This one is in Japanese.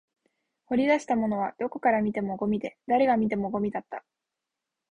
掘り出したものはどこから見てもゴミで、誰が見てもゴミだった